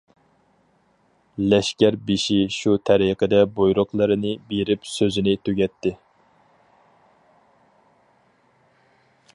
لەشكەر بېشى شۇ تەرىقىدە بۇيرۇقلىرىنى بېرىپ، سۆزىنى تۈگەتتى.